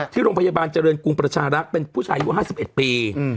ที่โรงพยาบาลเจริญกรุงประชารักษ์เป็นผู้ชายอายุ๕๑ปี